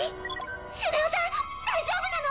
「スネ夫さん大丈夫なの！？」